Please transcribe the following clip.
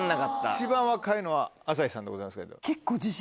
一番若いのは朝日さんでございますけれども。